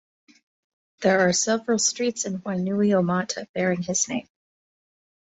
There are several streets in Wainuiomata bearing his name.